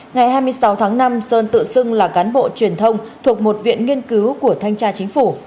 ngày hai mươi sáu tháng năm sơn tự xưng là cán bộ truyền thông thuộc một viện nghiên cứu của thanh tra chính phủ